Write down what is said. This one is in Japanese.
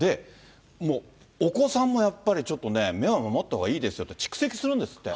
もうお子さんもやっぱりちょっとね、目を守ったほうがいいですよって、蓄積するんですって。